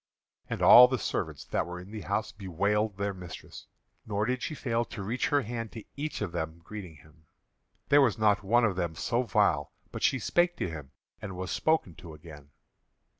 And all the servants that were in the house bewailed their mistress, nor did she fail to reach her hand to each of them greeting him. There was not one of them so vile but she spake to him and was spoken to again.